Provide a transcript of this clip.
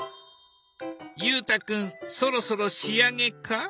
裕太君そろそろ仕上げか。